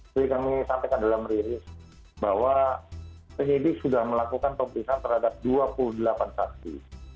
perlu kami sampaikan dalam rilis bahwa penyidik sudah melakukan pembelian terhadap dua puluh delapan saksi